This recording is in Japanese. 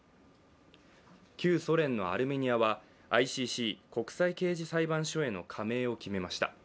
旧ソ連のアルメニアはＩＣＣ＝国際刑事裁判所への加盟を決めました。